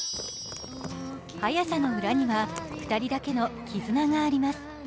速さの裏には２人だけの絆があります。